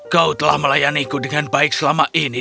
kau telah melayaniku dengan baik selama ini